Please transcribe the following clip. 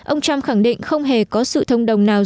ông trump khẳng định không hề có sự thông đồng nào